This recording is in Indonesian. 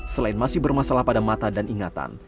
selain masih bermasalah pada mata dan ingatan